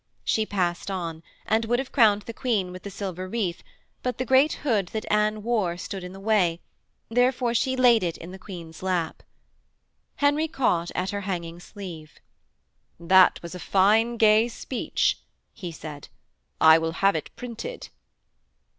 She passed on, and would have crowned the Queen with the silver wreath; but the great hood that Anne wore stood in the way, therefore she laid it in the Queen's lap. Henry caught at her hanging sleeve. 'That was a gay fine speech,' he said. 'I will have it printed.'